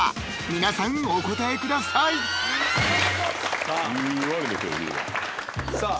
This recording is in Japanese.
皆さんお答えくださいさあ